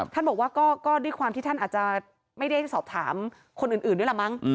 ท่านบอกว่าก็ด้วยความที่ท่านอาจจะไม่ได้สอบถามคนอื่นด้วยล่ะมั้ง